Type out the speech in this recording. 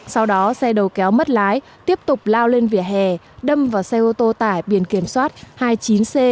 sau đó xe đầu kéo mất lái tiếp tục lao lên vỉa hè đâm vào xe ô tô tải biển kiểm soát hai mươi chín c hai mươi bảy nghìn hai trăm bốn mươi chín